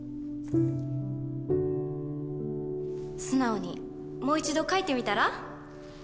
素直にもう一度書いてみたら？